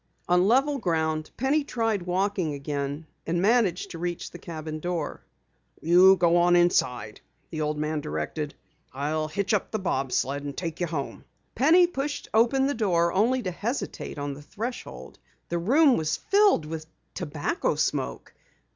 On level ground, Penny tried walking again, and managed to reach the cabin door. "You go on inside," the old man directed. "I'll hitch up the bob sled and take you home." Penny pushed open the door only to hesitate on the threshold. The room was filled with tobacco smoke.